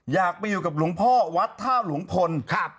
อยากไปอยู่กับหลวงพ่อวัดท่าหลวงพลครับ